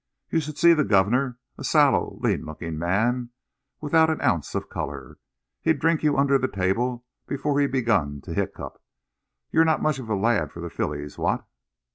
You should see the governor a sallow, lean looking man, without an ounce of colour. He'd drink you under the table before he'd begun to hiccough.... You're not much of a lad for the fillies, what?"